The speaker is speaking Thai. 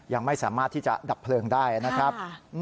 ยังไม่สามารถที่จะดับเพลิงได้นะครับ